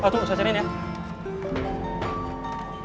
tunggu saya cari nih ya